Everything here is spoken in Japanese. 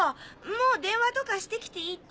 もう電話とかして来ていいって。